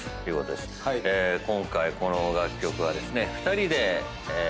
今回この楽曲はですね２人で。